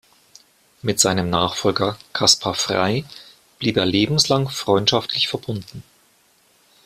Mit seinem Nachfolger Kaspar Frey blieb er lebenslang freundschaftlich verbunden.